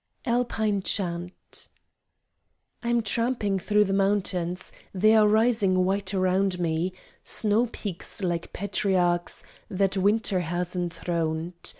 ALPINE CHANT I'm tramping thro the mountains, They are rising white around me, Snow peaks like patriarchs That Winter has enthroned.